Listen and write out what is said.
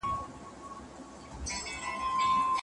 هر چاته د هغه د منزلت او مقام مطابق احترام او درناوی ولري.